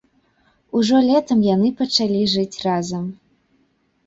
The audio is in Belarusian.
Ужо летам яны пачалі жыць разам.